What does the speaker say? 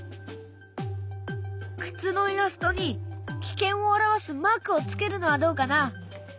靴のイラストに危険を表すマークをつけるのはどうかな？